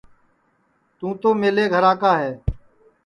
توں تو میلے گھرا کا ہے